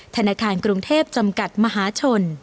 ธนาคารกรุงเทพจำกัดมหาชน